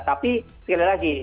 tapi sekali lagi